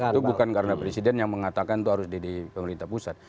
itu bukan karena presiden yang mengatakan itu harus di pemerintah pusat